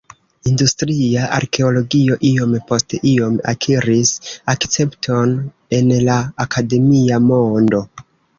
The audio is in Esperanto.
Industria arkeologio iom post iom akiris akcepton en la akademia mondo.